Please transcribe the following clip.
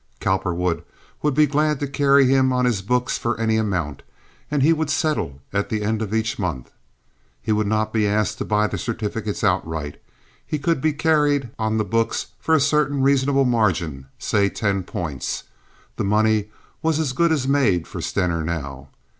Cowperwood would be glad to carry him on his books for any amount, and he would settle at the end of each month. He would not be asked to buy the certificates outright. He could be carried on the books for a certain reasonable margin, say ten points. The money was as good as made for Stener now.